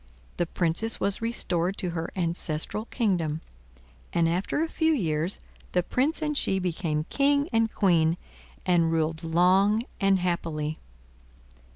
The Princess was restored to her ancestral kingdom, and after a few years the Prince and she became King and Queen, and ruled long and happily.